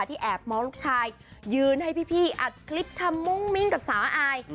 แอบมองลูกชายยืนให้พี่อัดคลิปทำมุ้งมิ้งกับสาวอาย